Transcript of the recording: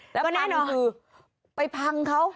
แล้วพังคือไปพังเขา